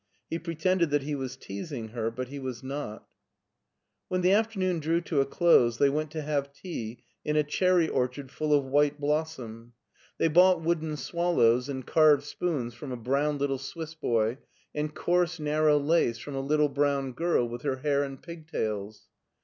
He pretended that he was teasing her, but he was not When the afternoon drew to a dose they went to have tea in a cherry orchard full of white blossom. LEIPSIC 155 They bought wooden swallows and carved spoons from a brown little Swiss boy, and coarse, narrow lace from a little brown girl with her hair in pigtails.